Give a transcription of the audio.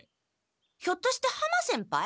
ひょっとして浜先輩？